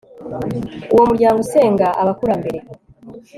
Uwo muryango usenga abakurambere